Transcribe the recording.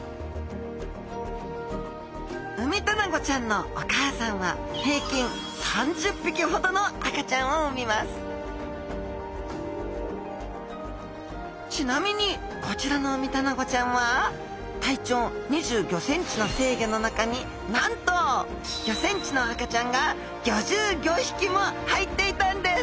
ウミタナゴちゃんのお母さんは平均３０匹ほどの赤ちゃんを産みますちなみにこちらのウミタナゴちゃんは体長２５ｃｍの成魚の中になんとも入っていたんです！